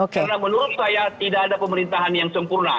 karena menurut saya tidak ada pemerintahan yang sempurna